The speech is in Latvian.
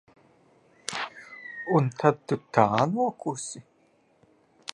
Un tad tu tā nokusi?